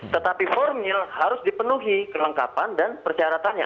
tetapi formil harus dipenuhi kelengkapan dan persyaratannya